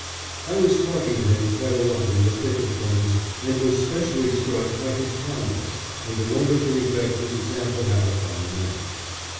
I was talking to him quite a lot in the thick of things, and was specially struck by his calmness and the wonderful effect his example had upon the men.